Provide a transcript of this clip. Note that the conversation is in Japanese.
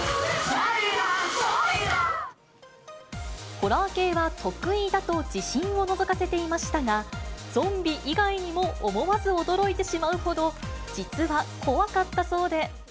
ホラー系は得意だと自信をのぞかせていましたが、ゾンビ以外にも思わず驚いてしまうほど、実は怖かったそうで。